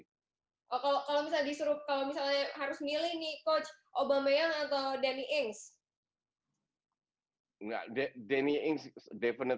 kalau misalnya harus milih coach aubameyang atau danny ings